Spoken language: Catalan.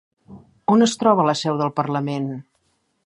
On es troba la seu del Parlament?